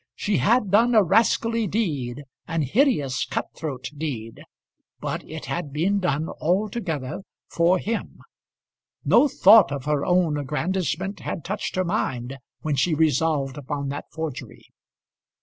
She had done a rascally deed, an hideous cut throat deed, but it had been done altogether for him. No thought of her own aggrandisement had touched her mind when she resolved upon that forgery.